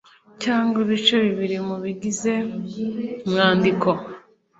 cyangwa ibice bibiri mu bigize umwandiko.